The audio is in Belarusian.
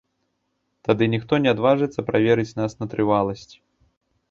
Тады ніхто не адважыцца праверыць нас на трываласць.